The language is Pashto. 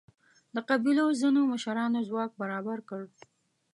د قبیلو ځینو مشرانو ځواک برابر کړ.